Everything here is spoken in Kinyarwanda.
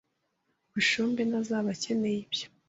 Bushombe ntazaba akeneye ibyo.